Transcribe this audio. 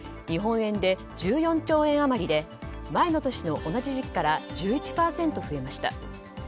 日本円で１４兆円余りで前の年の同じ時期から１１％増えました。